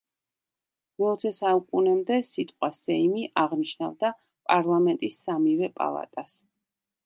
მეოცე საუკუნემდე სიტყვა „სეიმი“ აღნიშნავდა პარლამენტის სამივე პალატას.